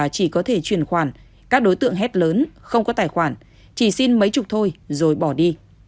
chỉ có thể truyền khoản các đối tượng hết lớn không có tài khoản chỉ xin mấy chục thôi rồi bỏ đi